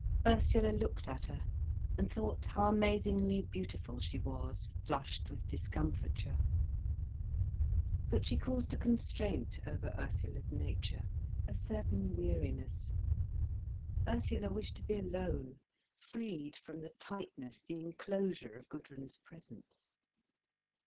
Ursula looked at her, and thought how amazingly beautiful she was, flushed with discomfiture. But she caused a constraint over Ursula's nature, a certain weariness. Ursula wished to be alone, freed from the tightness, the enclosure of Gudrun's presence.